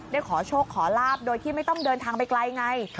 ขอโชคขอลาบโดยที่ไม่ต้องเดินทางไปไกลไง